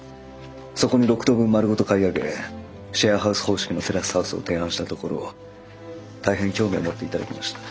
そこに６棟分丸ごと買い上げシェアハウス方式のテラスハウスを提案したところ大変興味を持っていただきました。